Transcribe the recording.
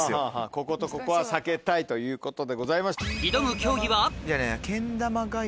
こことここは避けたいということでございます。